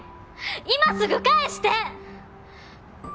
今すぐ返して！